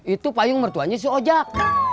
itu payung mertuanya si oja